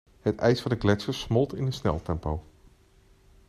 Het ijs van de gletsjers smolt in sneltempo.